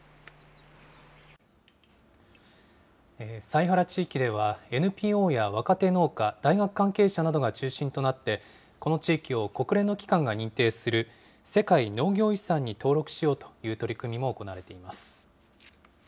西原地域では、ＮＰＯや若手農家、大学関係者などが中心となって、この地域を国連の機関が認定する世界農業遺産に登録しようという取り組みも行われています。